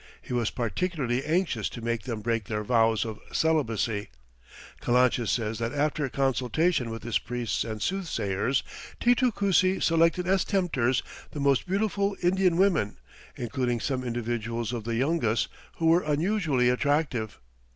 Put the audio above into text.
He was particularly anxious to make them break their vows of celibacy. Calancha says that after consultation with his priests and soothsayers Titu Cusi selected as tempters the most beautiful Indian women, including some individuals of the Yungas who were unusually attractive.